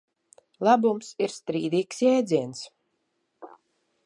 Labums ir strīdīgs jēdziens.